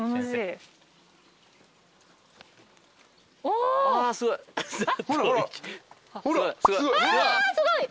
あすごい！